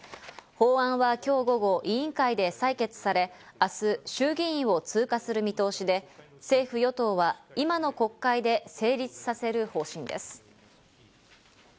法案は今日午後、委員会で採決され、明日、衆議院を通過する見通しで、政府・与党は今の国会で成立させる方針です。